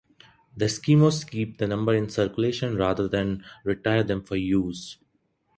The Eskimos keep the number in circulation rather than retire them from use.